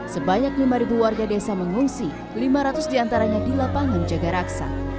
sebanyak lima warga desa mengungsi lima ratus diantaranya di lapangan jaga raksa